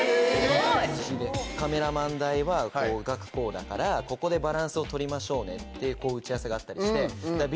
だからここでバランスを取りましょうねって打ち合わせがあったりして。